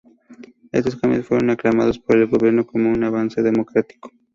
Estos cambios fueron aclamados por el gobierno como un avance democrático.